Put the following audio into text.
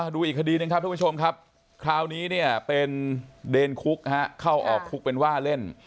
ดูอีกคดีหนึ่งครับทุกผู้ชมครับคราวนี้เนี่ยเป็นเดนคุกเข้าออกคุกเป็นว่าเล่น